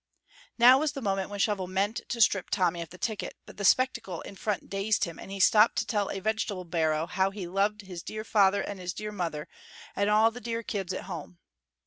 Now was the moment when Shovel meant to strip Tommy of the ticket, but the spectacle in front dazed him, and he stopped to tell a vegetable barrow how he loved his dear father and his dear mother, and all the dear kids at home.